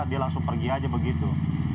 dia langsung pergi aja begitu